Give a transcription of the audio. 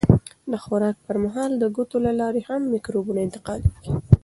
د خوراک پر مهال د ګوتو له لارې هم مکروبونه انتقالېږي.